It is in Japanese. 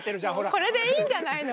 これでいいんじゃないの。